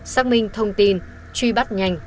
xác minh thông tin truy bắt nhanh